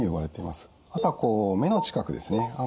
あとは目の近くですね